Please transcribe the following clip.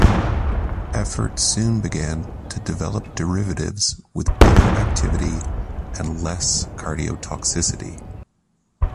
Effort soon began to develop derivatives with better activity and less cardiotoxicity.